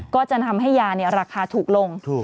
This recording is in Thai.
ก็จะทำให้ยาราคาถูกลง